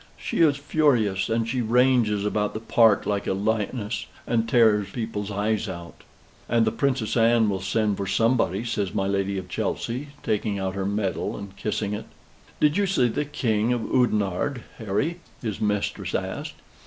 She is furious, and she ranges about the park like a lioness, and tears people's eyes out." "And the Princess Anne will send for somebody," says my Lady of Chelsey, taking out her medal and kissing it. "Did you see the King at Oudenarde, Harry?" his mistress asked.